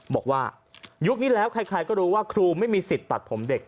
บอกว่ายุคนี้แล้วใครก็รู้ว่าครูไม่มีสิทธิ์ตัดผมเด็ก